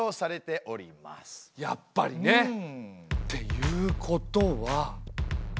やっぱりね。っていうことは。